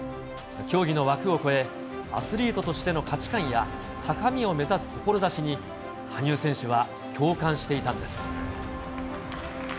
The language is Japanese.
競技の枠を超え、アスリートとしての価値観や高みを目指す志に、羽生選手は共感していたんです。